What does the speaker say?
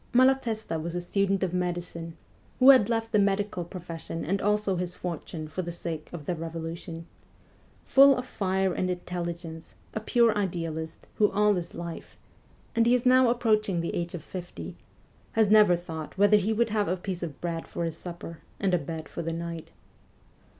Malatesta was a student of medicine, who had left the medical profession and also his fortune for the sake of the revolution ; full of fire and intelligence, a pure idealist, who all his life and he is now approaching the age of fifty has never thought whether he would have a piece of bread for his supper and a bed for the night.